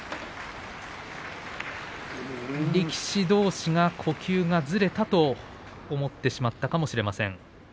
力士どうしが呼吸がずれたと思ってしまったかもしれません。